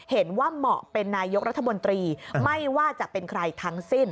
เหมาะเป็นนายกรัฐมนตรีไม่ว่าจะเป็นใครทั้งสิ้น